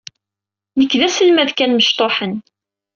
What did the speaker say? Nekk d aselmad kan mecṭuḥen.